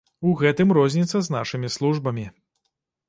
У гэтым розніца з нашымі службамі.